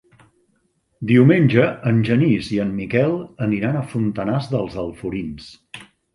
Diumenge en Genís i en Miquel aniran a Fontanars dels Alforins.